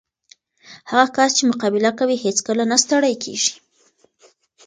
هغه کس چې مقابله کوي، هیڅکله نه ستړی کېږي.